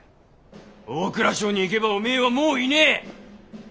大蔵省に行げばおめぇはもういねぇ。